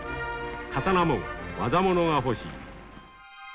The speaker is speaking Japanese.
刀も業物が欲しい」。